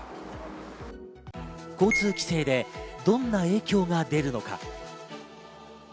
交通規制でどんな影響が出るのか。